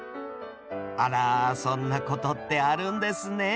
あらそんなことってあるんですね。